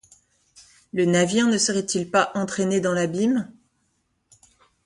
Le navire ne serait-il pas entraîné dans l’abîme?...